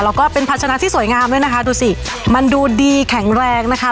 แล้วก็เป็นพัชนะที่สวยงามด้วยนะคะดูสิมันดูดีแข็งแรงนะคะ